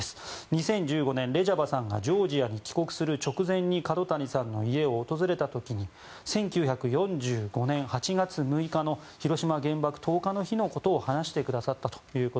２０１５年、レジャバさんがジョージアに帰国する直前に角谷さんの家を訪れた時に１９４５年８月６日の広島原爆投下の日のことを話してくださったと。